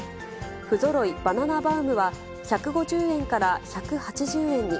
不揃いバナナバウムは１５０円から１８０円に。